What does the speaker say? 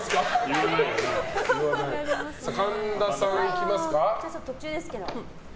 神田さん、いきますか。